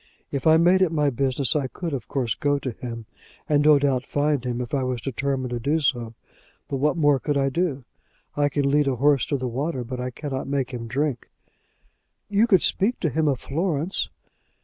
"If I made it my business I could, of course, go to him, and no doubt find him if I was determined to do so; but what more could I do? I can lead a horse to the water, but I cannot make him drink." "You could speak to him of Florence."